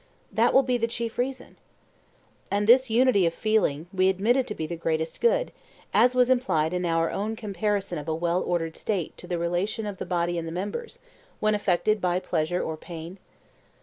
That will be the chief reason. And this unity of feeling we admitted to be the greatest good, as was implied in our own comparison of a well ordered State to the relation of the body and the members, when affected by pleasure or pain?